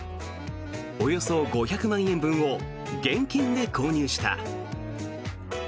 およそ５００万円分を現金で購入した。